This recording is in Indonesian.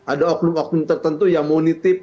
ada oknum oknum tertentu yang mau nitip